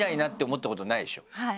はい。